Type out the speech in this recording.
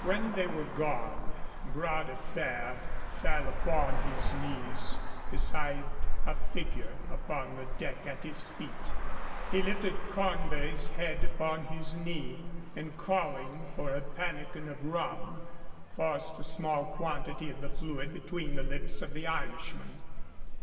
When they were gone, Bras de Fer fell upon his knees beside a figure upon the deck at his feet. He lifted Cornbury's head upon his knee, and, calling for a pannikin of rum, forced a small quantity of the fluid between the lips of the Irishman.